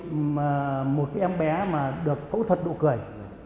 một cái em bé mà được phẫu thuật độ cười